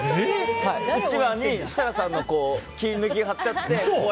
うちわに設楽さんの切り抜きが貼ってあって。